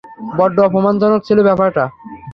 বড্ড অপমানজনক ছিল ব্যাপারটা।